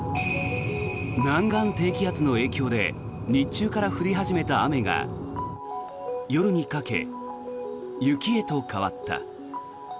南岸低気圧の影響で日中から降り始めた雨が夜にかけ、雪へと変わった。